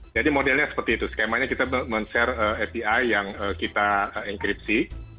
jadi modelnya seperti itu skemanya kita men share api yang kita enkripsi